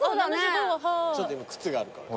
ちょっと今靴があるから。